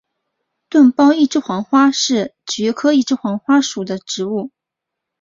钝苞一枝黄花是菊科一枝黄花属的植物。